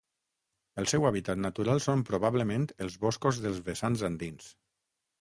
El seu hàbitat natural són probablement els boscos dels vessants andins.